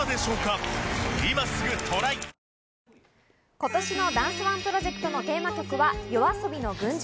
今年のダンスＯＮＥプロジェクトのテーマ曲はＹＯＡＳＯＢＩの『群青』。